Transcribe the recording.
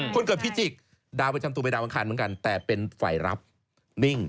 คนเกิดพิจิกษ์ดาวประจำตัวเป็นดาวอังคารเหมือนกันแต่เป็นฝ่ายรับนิ่ง